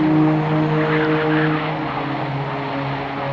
beberapa petugas datang ke pangeran